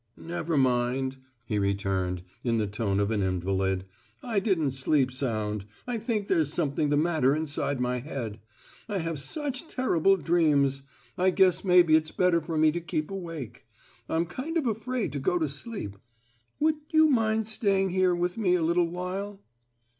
"Never mind," he returned, in the tone of an invalid. "I didn't sleep sound. I think there's something the matter inside my head: I have such terrible dreams. I guess maybe it's better for me to keep awake. I'm kind of afraid to go to sleep. Would you mind staying here with me a little while?"